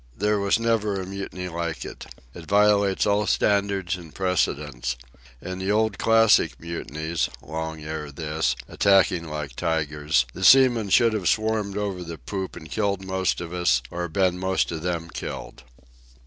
There was never a mutiny like it. It violates all standards and precedents. In the old classic mutinies, long ere this, attacking like tigers, the seamen should have swarmed over the poop and killed most of us or been most of them killed.